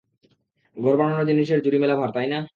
ঘরে বানানো জিনিসের জুড়ি মেলা ভার, তাই না?